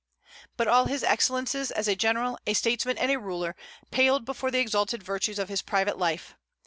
But all his excellences as a general, a statesman, and a ruler paled before the exalted virtues of his private life.